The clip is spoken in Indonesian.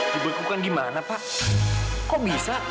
dibekukan gimana pak kok bisa